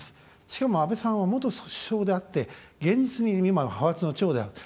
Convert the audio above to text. しかも安倍さんは元首相であって現実にいる今の派閥の長である。